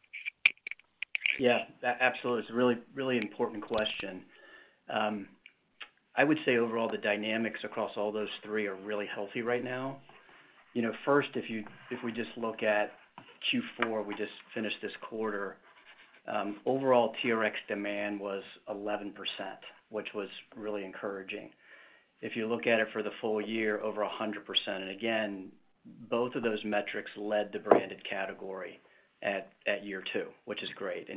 Yeah, absolutely. It's a really important question. I would say overall, the dynamics across all those three are really healthy right now. First, if we just look at Q4, we just finished this quarter. Overall, TRX demand was 11%, which was really encouraging. If you look at it for the full year, over 100%. And again, both of those metrics led the branded category at year two, which is great.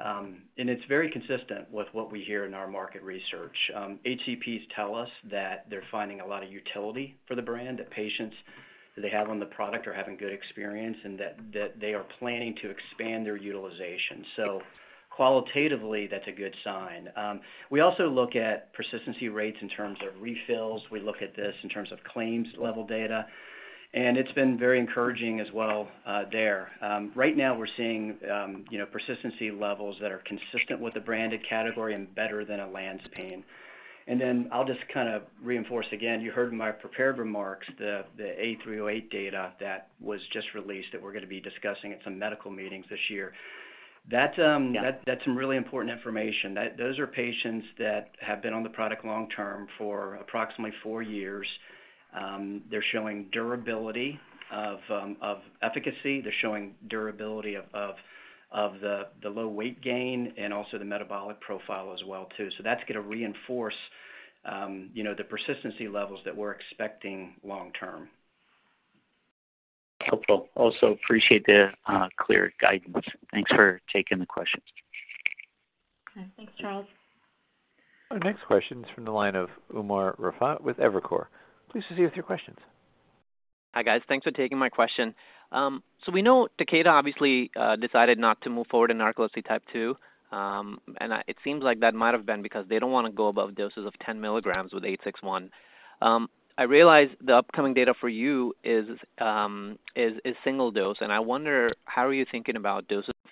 And it's very consistent with what we hear in our market research. HCPs tell us that they're finding a lot of utility for the brand, that patients that they have on the product are having good experience, and that they are planning to expand their utilization. So qualitatively, that's a good sign. We also look at persistency rates in terms of refills. We look at this in terms of claims-level data, and it's been very encouraging as well there. Right now, we're seeing persistency levels that are consistent with the branded category and better than olanzapine. Then I'll just kind of reinforce again. You heard in my prepared remarks the A308 data that was just released that we're going to be discussing at some medical meetings this year. That's some really important information. Those are patients that have been on the product long-term for approximately four years. They're showing durability of efficacy. They're showing durability of the low weight gain and also the metabolic profile as well too. So that's going to reinforce the persistency levels that we're expecting long-term. Helpful. Also, appreciate the clear guidance. Thanks for taking the questions. Okay. Thanks, Charles. Our next question's from the line of Umar Rafat with Evercore ISI. Please go ahead with your questions. gi, guys. Thanks for taking my question. We know Takeda obviously decided not to move forward in Narcolepsy Type 2, and it seems like that might have been because they don't want to go above doses of 10 mg with 861. I realize the upcoming data for you is single-dose, and I wonder, how are you thinking about doses of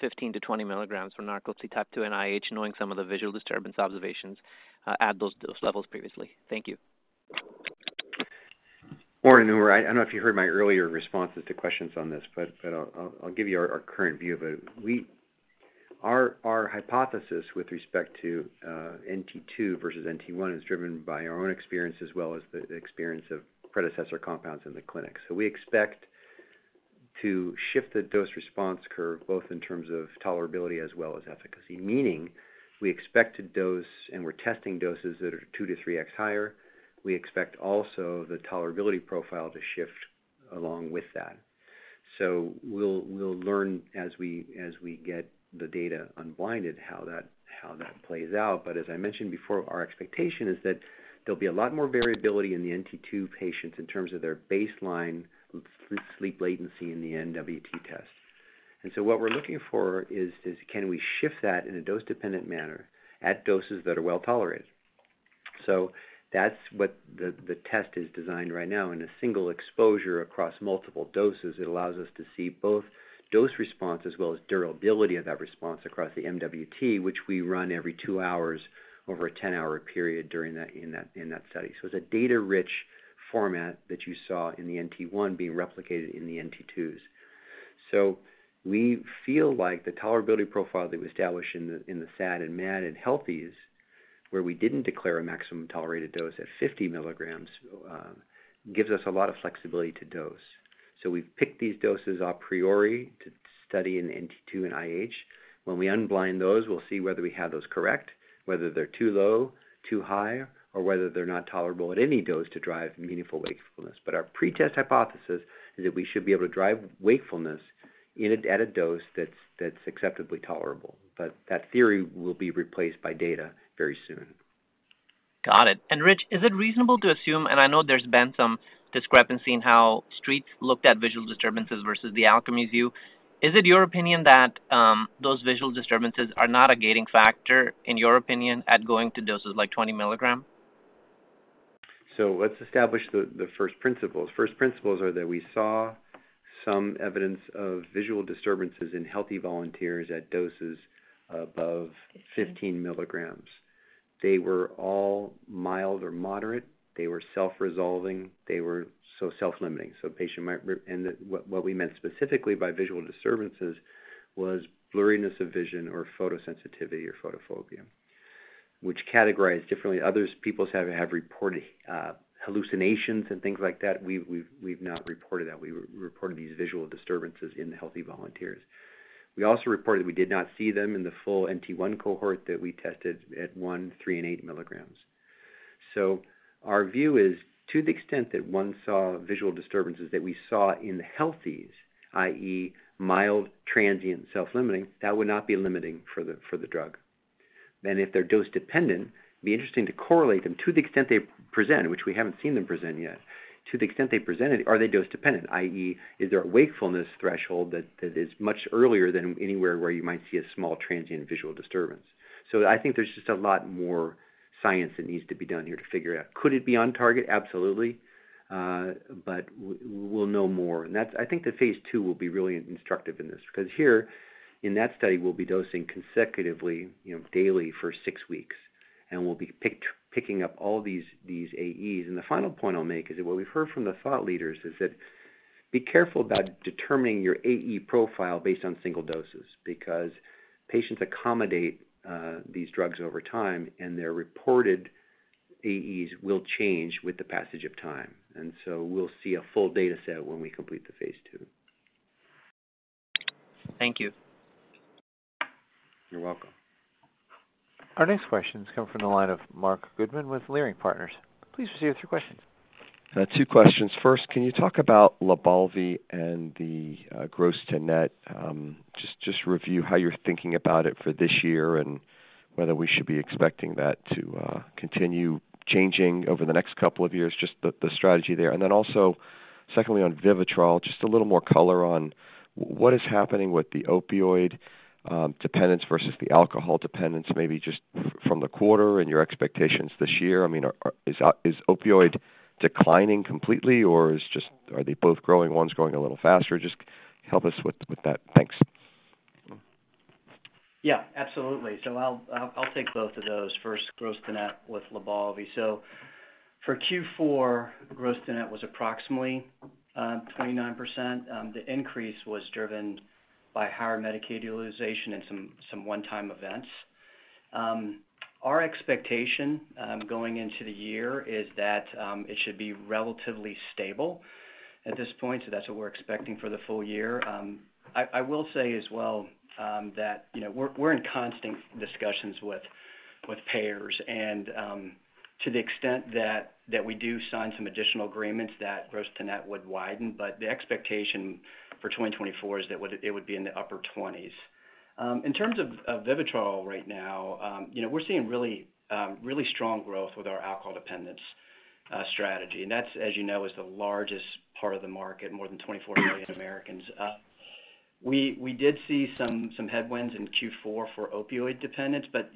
15 mg-20 mg for Narcolepsy Type 2 and IH, knowing some of the visual disturbance observations at those dose levels previously? Thank you. Morning, Umar. I don't know if you heard my earlier responses to questions on this, but I'll give you our current view of it. Our hypothesis with respect to NT2 versus NT1 is driven by our own experience as well as the experience of predecessor compounds in the clinic. So we expect to shift the dose response curve both in terms of tolerability as well as efficacy, meaning we expect to dose and we're testing doses that are 2x-3x higher. We expect also the tolerability profile to shift along with that. So we'll learn as we get the data unblinded how that plays out. But as I mentioned before, our expectation is that there'll be a lot more variability in the NT2 patients in terms of their baseline sleep latency in the MWT test. And so what we're looking for is, can we shift that in a dose-dependent manner at doses that are well-tolerated? So that's what the test is designed right now. In a single exposure across multiple doses, it allows us to see both dose response as well as durability of that response across the MWT, which we run every two hours over a 10-hour period in that study. So it's a data-rich format that you saw in the NT1 being replicated in the NT2s. So we feel like the tolerability profile that we establish in the SAD and MAD and healthies, where we didn't declare a maximum tolerated dose at 50 mg, gives us a lot of flexibility to dose. So we've picked these doses a priori to study in NT2 and IH. When we unblind those, we'll see whether we have those correct, whether they're too low, too high, or whether they're not tolerable at any dose to drive meaningful wakefulness. But our pretest hypothesis is that we should be able to drive wakefulness at a dose that's acceptably tolerable. But that theory will be replaced by data very soon. Got it. Rich, is it reasonable to assume, and I know there's been some discrepancy in how the Street looked at visual disturbances versus the Alkermes view. Is it your opinion that those visual disturbances are not a gating factor, in your opinion, at going to doses like 20 mg? So let's establish the first principles. First principles are that we saw some evidence of visual disturbances in healthy volunteers at doses above 15 mg. They were all mild or moderate. They were self-resolving. They were so self-limiting. So patient might and what we meant specifically by visual disturbances was blurriness of vision or photosensitivity or photophobia, which categorized differently. Other people have reported hallucinations and things like that. We've not reported that. We reported these visual disturbances in the healthy volunteers. We also reported we did not see them in the full NT1 cohort that we tested at 1 mg, 3 mg, and 8 mg. So our view is, to the extent that one saw visual disturbances that we saw in the healthies, i.e., mild transient self-limiting, that would not be limiting for the drug. Then if they're dose-dependent, it'd be interesting to correlate them to the extent they present, which we haven't seen them present yet, to the extent they presented, are they dose-dependent, i.e., is there a wakefulness threshold that is much earlier than anywhere where you might see a small transient visual disturbance? So I think there's just a lot more science that needs to be done here to figure out. Could it be on target? Absolutely, but we'll know more. I think that phase II will be really instructive in this because here, in that study, we'll be dosing consecutively daily for six weeks, and we'll be picking up all these AEs. The final point I'll make is that what we've heard from the thought leaders is that be careful about determining your AE profile based on single doses because patients accommodate these drugs over time, and their reported AEs will change with the passage of time. So we'll see a full data set when we complete the phase II. Thank you. You're welcome. Our next question's come from the line of Marc Goodman with Leerink Partners. Please proceed with your questions. Two questions. First, can you talk about LYBALVI and the gross-to-net? Just review how you're thinking about it for this year and whether we should be expecting that to continue changing over the next couple of years, just the strategy there. And then also, secondly, on Vivitrol, just a little more color on what is happening with the opioid dependence versus the alcohol dependence, maybe just from the quarter and your expectations this year. I mean, is opioid declining completely, or are they both growing? One's growing a little faster. Just help us with that. Thanks. Yeah, absolutely. So I'll take both of those. First, Gross-to-Net with LYBALVI. So for Q4, Gross-to-Net was approximately 29%. The increase was driven by higher Medicaid utilization and some one-time events. Our expectation going into the year is that it should be relatively stable at this point. So that's what we're expecting for the full year. I will say as well that we're in constant discussions with payers, and to the extent that we do sign some additional agreements, that Gross-to-Net would widen. But the expectation for 2024 is that it would be in the upper 20s. In terms of VIVITROL right now, we're seeing really strong growth with our alcohol dependence strategy, and that's, as you know, is the largest part of the market, more than 24 million Americans. We did see some headwinds in Q4 for opioid dependence, but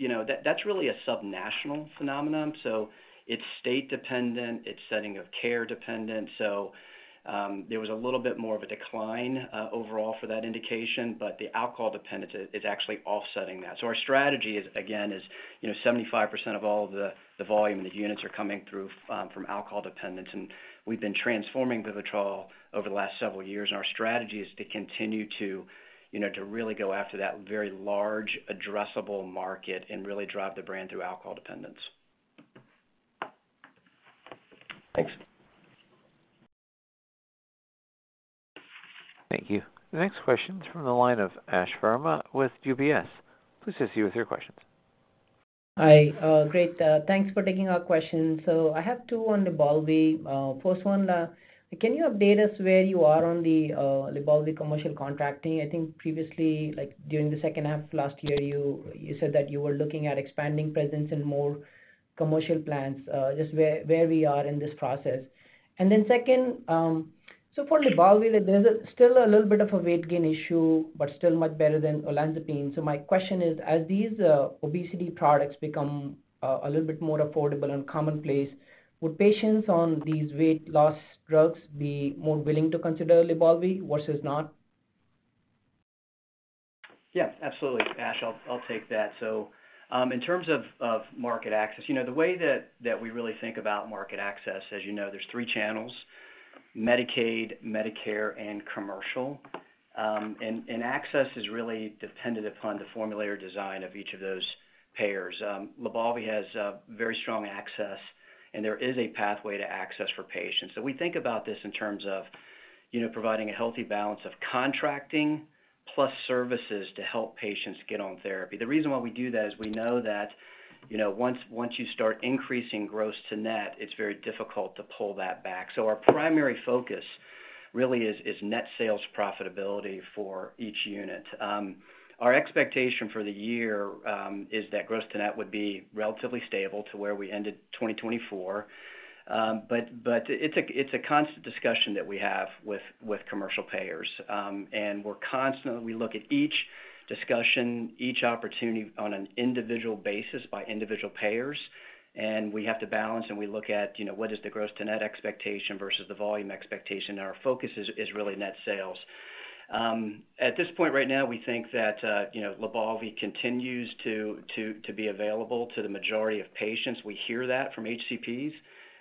that's really a subnational phenomenon. So it's state-dependent. It's setting of care-dependent. So there was a little bit more of a decline overall for that indication, but the alcohol dependence is actually offsetting that. So our strategy, again, is 75% of all of the volume and the units are coming through from alcohol dependence, and we've been transforming Vivitrol over the last several years. Our strategy is to continue to really go after that very large addressable market and really drive the brand through alcohol dependence. Thanks. Thank you. Next question's from the line of Ash Verma with UBS. Please go ahead with your questions. Hi. Great. Thanks for taking our questions. So I have two on LYBALVI. First one, can you update us where you are on the LYBALVI commercial contracting? I think previously, during the second half last year, you said that you were looking at expanding presence in more commercial plans, just where we are in this process. And then second, so for LYBALVI, there's still a little bit of a weight gain issue, but still much better than olanzapine. So my question is, as these obesity products become a little bit more affordable and commonplace, would patients on these weight-loss drugs be more willing to consider LYBALVI versus not? Yes, absolutely, Ash. I'll take that. So in terms of market access, the way that we really think about market access, as you know, there's three channels: Medicaid, Medicare, and commercial. And access is really dependent upon the formula or design of each of those payers. LYBALVI has very strong access, and there is a pathway to access for patients. So we think about this in terms of providing a healthy balance of contracting plus services to help patients get on therapy. The reason why we do that is we know that once you start increasing gross-to-net, it's very difficult to pull that back. So our primary focus really is net sales profitability for each unit. Our expectation for the year is that gross-to-net would be relatively stable to where we ended 2024. But it's a constant discussion that we have with commercial payers, and we look at each discussion, each opportunity on an individual basis by individual payers, and we have to balance. We look at what is the gross-to-net expectation versus the volume expectation, and our focus is really net sales. At this point right now, we think that LYBALVI continues to be available to the majority of patients. We hear that from HCPs.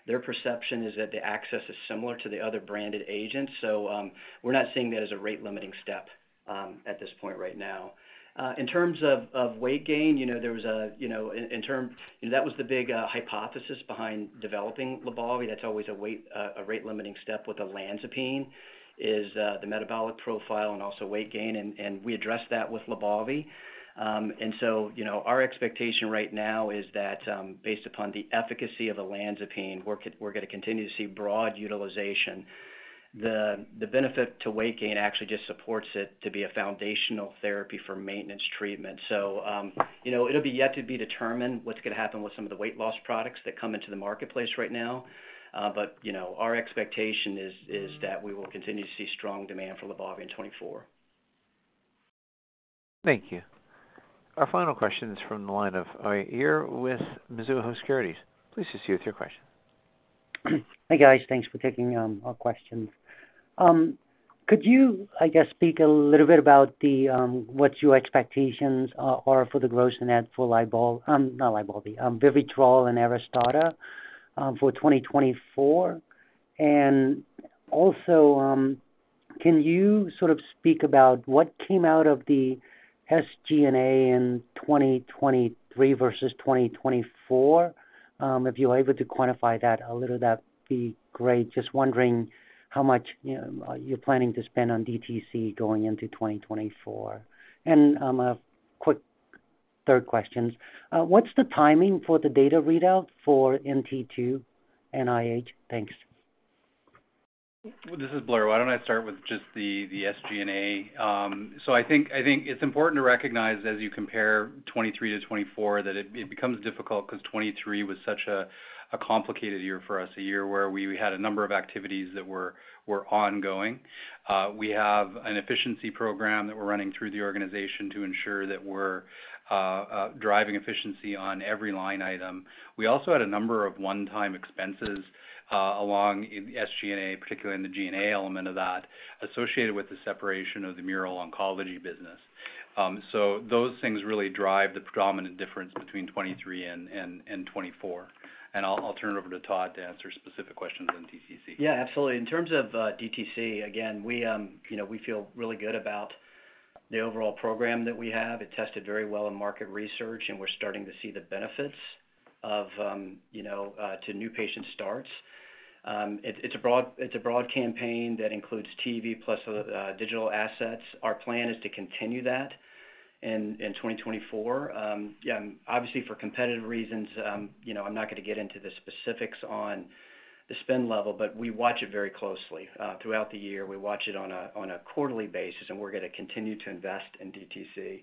Their perception is that the access is similar to the other branded agents, so we're not seeing that as a rate-limiting step at this point right now. In terms of weight gain, there was a in terms that was the big hypothesis behind developing LYBALVI. That's always a rate-limiting step with Olanzapine, is the metabolic profile and also weight gain, and we address that with LYBALVI. And so our expectation right now is that, based upon the efficacy of Olanzapine, we're going to continue to see broad utilization. The benefit to weight gain actually just supports it to be a foundational therapy for maintenance treatment. So it'll be yet to be determined what's going to happen with some of the weight-loss products that come into the marketplace right now, but our expectation is that we will continue to see strong demand for LYBALVI in 2024. Thank you. Our final question's from the line of Uy Ear with Mizuho Securities. Please go ahead with your question. Hey, guys. Thanks for taking our questions. Could you, I guess, speak a little bit about what your expectations are for the gross-to-net for LYBALVI and ARISTADA for 2024? And also, can you sort of speak about what came out of the SG&A in 2023 versus 2024? If you're able to quantify that a little, that'd be great. Just wondering how much you're planning to spend on DTC going into 2024. And quick third questions. What's the timing for the data readout for NT2 and IH? Thanks. This is Blair. Why don't I start with just the SG&A? So I think it's important to recognize, as you compare 2023 to 2024, that it becomes difficult because 2023 was such a complicated year for us, a year where we had a number of activities that were ongoing. We have an efficiency program that we're running through the organization to ensure that we're driving efficiency on every line item. We also had a number of one-time expenses along the SG&A, particularly in the G&A element of that, associated with the separation of the Mural Oncology business. So those things really drive the predominant difference between 2023 and 2024. And I'll turn it over to Todd to answer specific questions on DTC. Yeah, absolutely. In terms of DTC, again, we feel really good about the overall program that we have. It tested very well in market research, and we're starting to see the benefits to new patient starts. It's a broad campaign that includes TV plus digital assets. Our plan is to continue that in 2024. Yeah, obviously, for competitive reasons, I'm not going to get into the specifics on the spend level, but we watch it very closely throughout the year. We watch it on a quarterly basis, and we're going to continue to invest in DTC.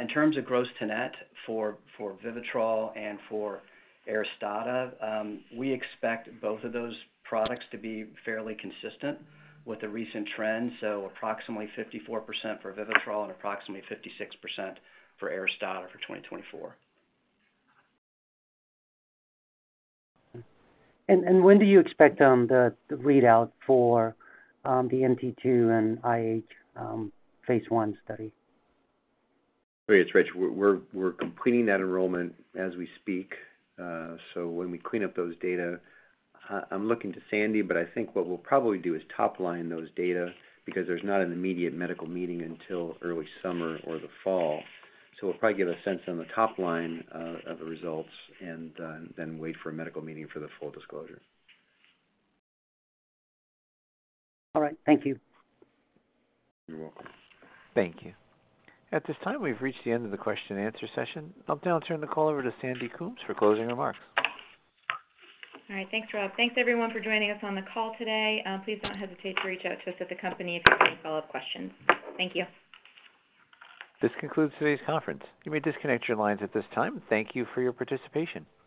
In terms of Gross-to-Net for VIVITROL and for ARISTADA, we expect both of those products to be fairly consistent with the recent trend, so approximately 54% for Vivitrol and approximately 56% for ARISTADA for 2024. When do you expect the readout for the NT2 and IH phase I study? Great. It's Rich. We're completing that enrollment as we speak, so when we clean up those data, I'm looking to Sandy, but I think what we'll probably do is topline those data because there's not an immediate medical meeting until early summer or the fall. So we'll probably give a sense on the topline of the results and then wait for a medical meeting for the full disclosure. All right. Thank you. You're welcome. Thank you. At this time, we've reached the end of the question-and-answer session. I'll now turn the call over to Sandy Coombs for closing remarks. All right. Thanks, Rob. Thanks, everyone, for joining us on the call today. Please don't hesitate to reach out to us at the company if you have any follow-up questions. Thank you. This concludes today's conference. You may disconnect your lines at this time. Thank you for your participation.